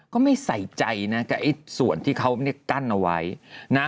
ก็ไม่ใส่ใจนะกับไอ้ส่วนที่เขาเนี่ยกั้นเอาไว้นะ